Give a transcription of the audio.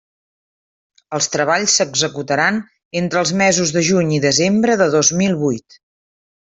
Els treballs s'executaran entre els mesos de juny i desembre de dos mil vuit.